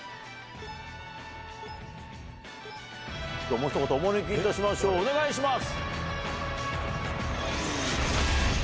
もうひと方お招きいたしましょうお願いします！